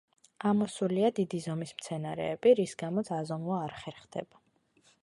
ამოსულია დიდი ზომის მცენარეები, რის გამოც აზომვა არ ხერხდება.